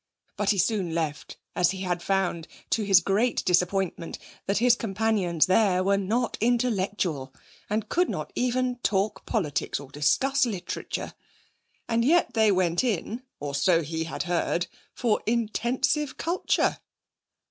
But he soon left, as he had found, to his great disappointment, that his companions there were not intellectual, and could not even talk politics or discuss literature. And yet they went in (or so he had heard) for 'intensive culture'!...